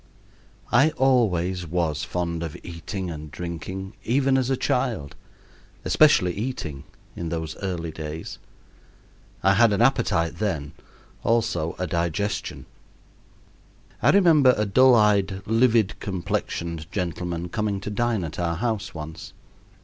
I always was fond of eating and drinking, even as a child especially eating, in those early days. I had an appetite then, also a digestion. I remember a dull eyed, livid complexioned gentleman coming to dine at our house once.